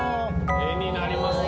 絵になりますね。